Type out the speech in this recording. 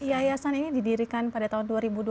yayasan ini didirikan pada tahun dua ribu dua